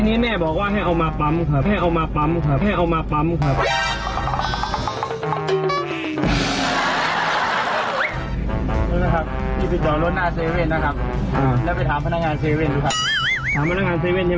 แล้วเอากุญแจมาปั๊มไปถามพนักงานเซเว่น